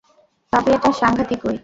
তবে এটা সাংঘাতিকই।